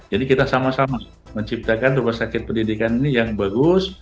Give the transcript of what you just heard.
jadi kita sama sama menciptakan rumah sakit pendidikan ini yang bagus